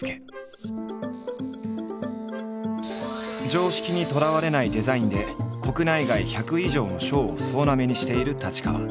常識にとらわれないデザインで国内外１００以上の賞を総なめにしている太刀川。